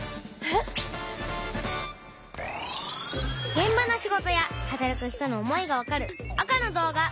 げん場の仕事や働く人の思いがわかる赤の動画。